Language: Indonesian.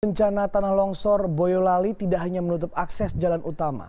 bencana tanah longsor boyolali tidak hanya menutup akses jalan utama